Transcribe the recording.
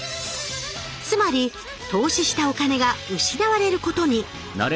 つまり投資したお金が失われることに。